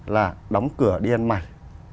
là đóng cửa điên mảnh